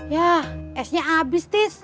ya esnya abis tis